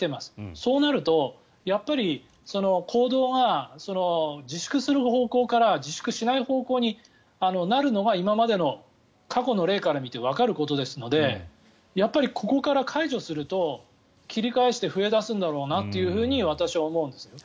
そうなるとやっぱり行動が自粛する方向から自粛しない方向になるのが今までの過去の例から見てわかることですのでやっぱり、ここから解除すると切り返して増え出すんだろうなと私は思うんです。